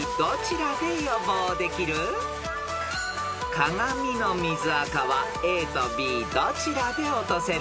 ［鏡の水あかはＡとＢどちらで落とせる？］